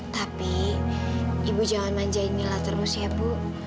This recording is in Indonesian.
tapi ibu jangan manjain mila terus ya bu